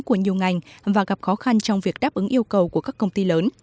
của nhiều ngành và gặp khó khăn trong việc đáp ứng yêu cầu của các công ty lớn